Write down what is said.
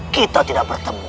kita tidak bertemu